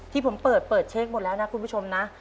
ที่ผมเปิดเปิดเช็คหมดแล้วนะคุณผู้ชมนะ